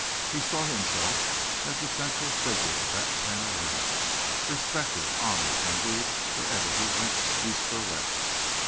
He saw himself as the central figure of that panorama respected, honored, envied, wherever he went, east or west.